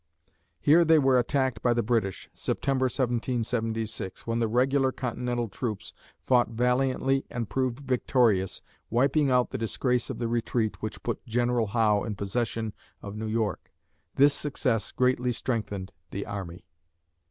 Here they were attacked by the British (September, 1776), when the regular Continental troops fought valiantly and proved victorious, wiping out the disgrace of the retreat which put General Howe in possession of New York. This success greatly strengthened the army.